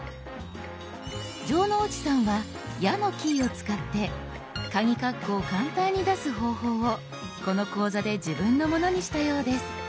城之内さんは「や」のキーを使ってカギカッコを簡単に出す方法をこの講座で自分のものにしたようです。